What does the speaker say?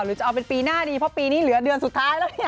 หรือจะเอาเป็นปีหน้าดีเพราะปีนี้เหลือเดือนสุดท้ายแล้ว